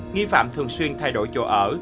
nghi phạm thường xuyên thay đổi chỗ ở